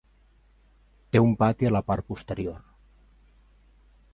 Té un pati a la part posterior.